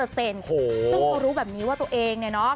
ซึ่งเขารู้แบบนี้ว่าตัวเองเนี่ยเนาะ